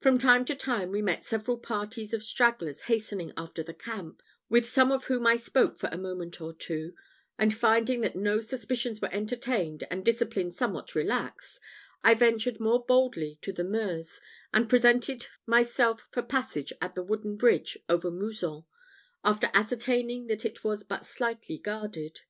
From time to time we met several parties of stragglers hastening after the camp, with some of whom I spoke for a moment or two; and finding that no suspicions were entertained, and discipline somewhat relaxed, I ventured more boldly to the Meuse, and presented myself for passage at the wooden bridge above Mouzon, after ascertaining that it was but slightly guarded.